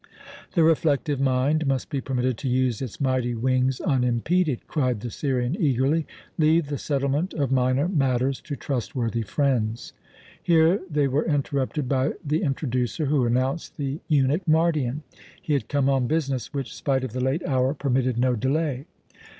"The reflective mind must be permitted to use its mighty wings unimpeded," cried the Syrian eagerly. "Leave the settlement of minor matters to trustworthy friends." Here they were interrupted by the "introducer," who announced the eunuch Mardion. He had come on business which, spite of the late hour, permitted no delay.